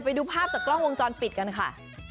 ไปดูภาพจากกล้องวงจรปิดกันค่ะ